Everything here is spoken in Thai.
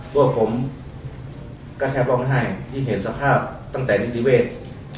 ตัวผมก็แทบร้องไห้ที่เห็นสภาพตั้งแต่นิติเวศ